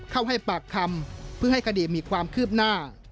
ให้ปากคำเพื่อให้คดีมีความคืบหน้า